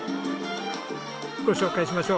ご紹介しましょう。